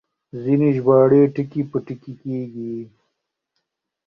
ځينې ژباړې ټکي په ټکي کېږي.